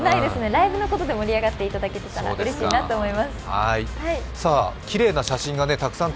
ライブのことで盛り上がっていただけてたらうれしいなと思います。